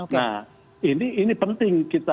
nah ini penting kita